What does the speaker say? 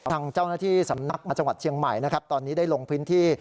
ทางเจ้าหน้าที่สำนักจังหวัดเชียงใหม่นะครับตอนนี้ได้ลงพื้นที่